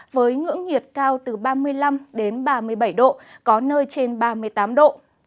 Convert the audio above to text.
với ngưỡng nhiệt cao từ ba mươi năm đến ba mươi bảy độ có nơi trên ba mươi tám độ